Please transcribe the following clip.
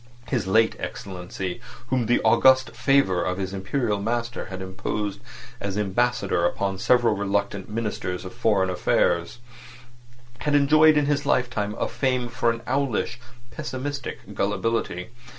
His late Excellency, whom the august favour of his Imperial master had imposed as Ambassador upon several reluctant Ministers of Foreign Affairs, had enjoyed in his lifetime a fame for an owlish, pessimistic gullibility.